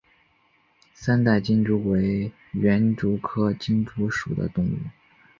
三带金蛛为园蛛科金蛛属的动物。